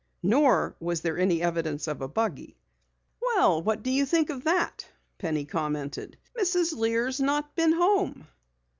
Nor was there any evidence of a buggy. "Well, what do you think of that!" Penny commented. "Mrs. Lear's not been home!"